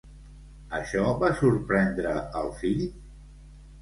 Això va sorprendre el fill?